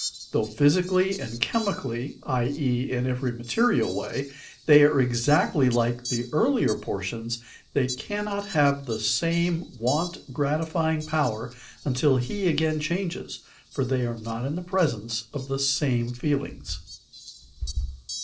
Though physically and chemically, i.e., in every material way, they are exactly like the earlier portions, they cannot have the same want gratifying power until he again changes, for they are not in the presence of the same feelings.